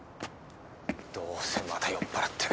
どうせまた酔っ払って。